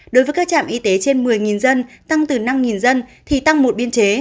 đối với các trạm y tế trên một mươi dân tăng từ năm dân thì tăng một biên chế